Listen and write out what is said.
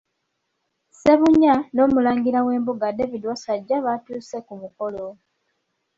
Ssebunnya n’omulangira w’embuga David Wassajja batuuse ku mukolo.